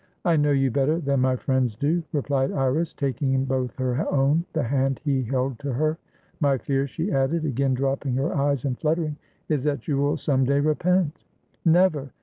"I know you better than my friends do," replied Iris, taking in both her own the hand he held to her. "My fear," she added, again dropping her eyes and fluttering, "is that you will some day repent." "Never!